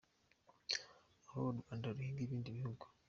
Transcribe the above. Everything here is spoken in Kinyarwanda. Aho u Rwanda ruhiga ibindi bihugu.